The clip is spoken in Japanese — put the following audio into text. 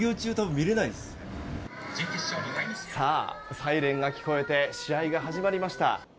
サイレンが聞こえて試合が始まりました。